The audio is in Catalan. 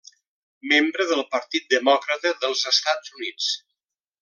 Membre del Partit Demòcrata dels Estats Units.